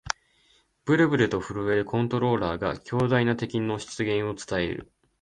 ブルブルと震えるコントローラーが、強大な敵の出現を伝える